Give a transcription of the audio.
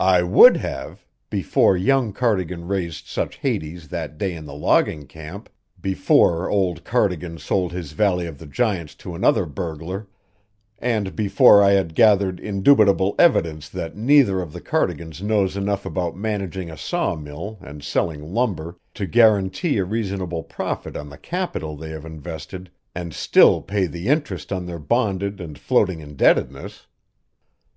"I would have, before young Cardigan raised such Hades that day in the logging camp, before old Cardigan sold his Valley of the Giants to another burglar and before I had gathered indubitable evidence that neither of the Cardigans knows enough about managing a sawmill and selling lumber to guarantee a reasonable profit on the capital they have invested and still pay the interest on their bonded and floating indebtedness.